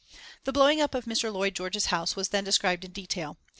The blowing up of Mr. Lloyd George's house was then described in detail.